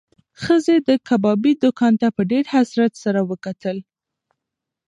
ښځې د کبابي دوکان ته په ډېر حسرت سره وکتل.